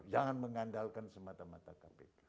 jangan mengandalkan semata mata kpk